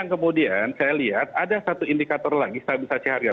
kemudian saya lihat ada satu indikator lagi stabilisasi harga